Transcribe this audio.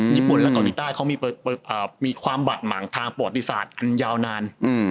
ญี่ปุ่นและเกาหลีใต้เขามีความบาดหมางทางประวัติศาสตร์อันยาวนาน